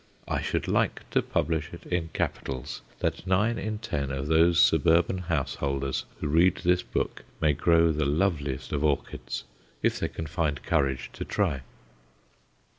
I should like to publish it in capitals that nine in ten of those suburban householders who read this book may grow the loveliest of orchids if they can find courage to try.